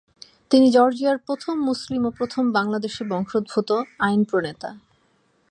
তিনি জর্জিয়ার প্রথম মুসলিম ও প্রথম বাংলাদেশি বংশোদ্ভূত আইন প্রণেতা।